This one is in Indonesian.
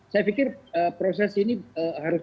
saya pikir proses ini harus